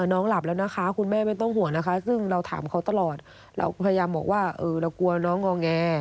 น้องหลับแล้วนะคะคุณแม่ไม่ต้องห่วงนะคะซึ่งเราถามเขาตลอดเราพยายามบอกว่าเรากลัวน้องงอแง